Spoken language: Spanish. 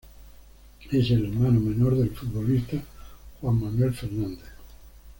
Es el hermano menor del futbolista Juan Manuel Fernández.